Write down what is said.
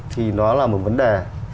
thì nó là một vấn đề